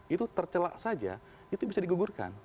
itu tercelak saja itu bisa digugurkan